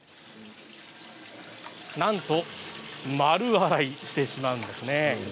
なんと丸洗いしてしまうんです。